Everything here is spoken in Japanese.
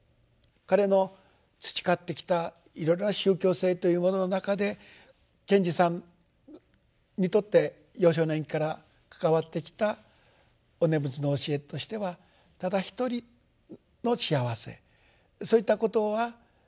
彼の培ってきたいろいろな宗教性というものの中で賢治さんにとって幼少年期から関わってきたお念仏の教えとしてはただ一人の幸せそういったことは存在しない。